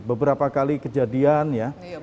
beberapa kali kejadian ya